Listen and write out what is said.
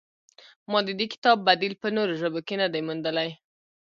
ما د دې کتاب بدیل په نورو ژبو کې نه دی موندلی.